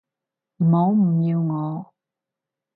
唔好唔要我